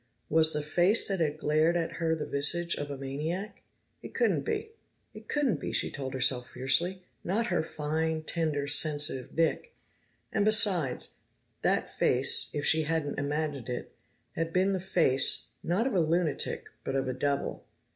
Was the face that had glared at her the visage of a maniac? It couldn't be. It couldn't be, she told herself fiercely. Not her fine, tender, sensitive Nick! And besides, that face, if she hadn't imagined it, had been the face, not of a lunatic, but of a devil.